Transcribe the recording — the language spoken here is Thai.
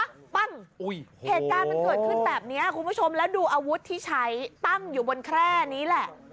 ปั้งเหตุการณ์มันเกิดขึ้นแบบนี้คุณผู้ชมแล้วดูอาวุธที่ใช้ตั้งอยู่บนแคร่นี้แหละ